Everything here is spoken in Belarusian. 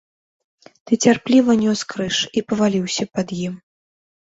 Ты цярпліва нёс крыж і паваліўся пад ім.